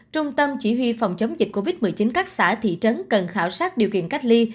trung tâm chỉ huy phòng chống dịch covid một mươi chín các xã thị trấn cần khảo sát điều kiện cách ly